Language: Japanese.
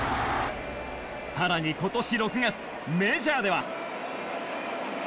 さらに今年６月メジャーでは。